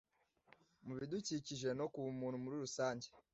mubidukikije no kubumuntu muri rusange